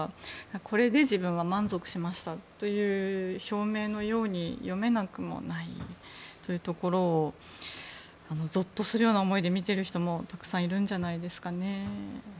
これで、自分は満足しましたという表明のように読めなくもないというところをぞっとするような思いで見ている人も、たくさんいるんじゃないですかね。